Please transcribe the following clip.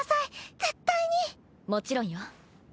もちろんよ。